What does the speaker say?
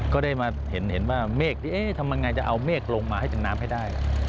ก็ได้มาเห็นว่าเมฆนี่เอ๊ะทำไมง่ายจะเอาเมฆลงมาให้จัดน้ำให้ได้